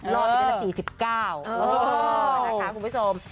รออยู่กันละ๔๙คุณผู้ชม